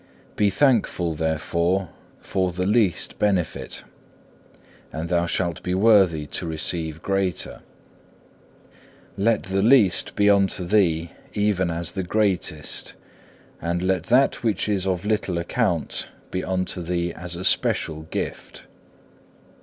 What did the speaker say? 5. Be thankful, therefore, for the least benefit and thou shalt be worthy to receive greater. Let the least be unto thee even as the greatest, and let that which is of little account be unto thee as a special gift.